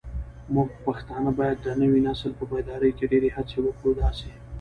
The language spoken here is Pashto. موږ پښتانه بايد د نوي نسل په بيداري کې ډيرې هڅې وکړو داسې